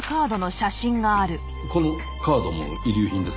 このカードも遺留品ですか？